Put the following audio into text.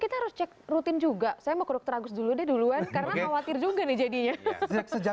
harus cek rutin juga saya mau kerug teragus dulu deh duluan karena khawatir juga nih jadinya sejak